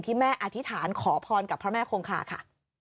แม่อธิษฐานขอพรกับพระแม่คงคาค่ะ